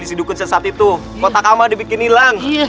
itu kan sesajian buat tuhan kita